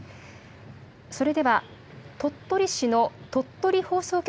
それでは、鳥取市の鳥取放送局